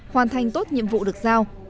hoàn thành tốt nhiệm vụ được giao